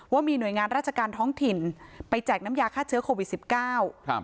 ว่ามีหน่วยงานราชการท้องถิ่นไปแจกน้ำยาฆ่าเชื้อโควิดสิบเก้าครับ